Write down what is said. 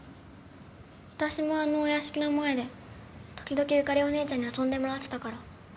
私もあのお屋敷の前で時々ユカリお姉ちゃんに遊んでもらってたから。